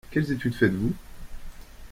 Quelles études faites-vous ?